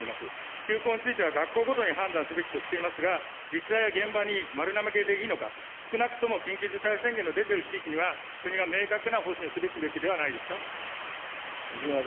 休校については学校ごとに判断すべきとしていますが、自治体や現場に丸投げでいいのか、少なくとも緊急事態宣言の出ている地域には、国が明確な方針を示すべきではないですか。